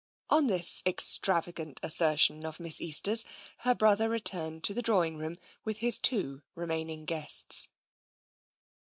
On this extravagant assertion of Miss Easter's her brother returned to the drawing room with his two remaining guests.